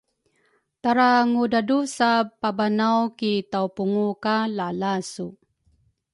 tarangudrusa pabanaw ki tawpungu ka lalasu.